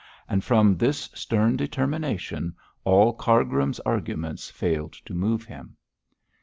And from this stern determination all Cargrim's arguments failed to move him.